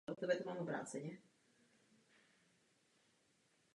Soukromí vlastníci ale mohli s výrobními prostředky nakládat jen v omezeném rozsahu.